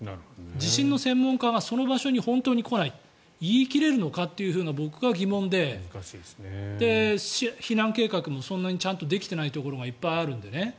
地震の専門家がその場所に本当に来ないと言い切れるのかというのが僕は疑問で避難計画もそんなにちゃんとできていないところがいっぱいあるのでね。